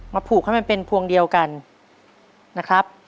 ผูกให้มันเป็นพวงเดียวกันนะครับ